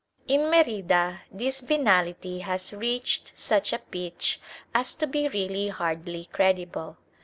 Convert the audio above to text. In Merida this venality has reached such a pitch as to be really hardly credible.